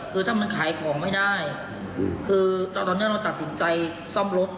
คือถ้ามันขายของไม่ได้คือตอนนี้เราตัดสินใจซ่อมรถ